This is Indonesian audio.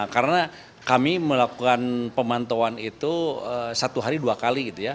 karena kami melakukan pemantauan itu satu hari dua kali gitu ya